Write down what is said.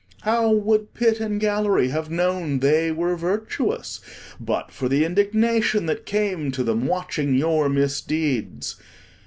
How would Pit and Gallery have known they were virtuous, but for the indignation that came to them, watching your misdeeds?